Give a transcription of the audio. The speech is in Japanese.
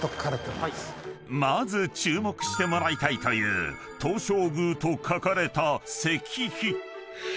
［まず注目してもらいたいという「東照宮」と書かれた］